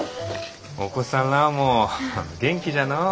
お子さんらあも元気じゃのう。